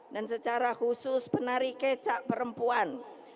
dan secara khusus penari kecak perempuan